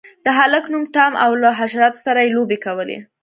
د هلک نوم ټام و او له حشراتو سره یې لوبې کولې.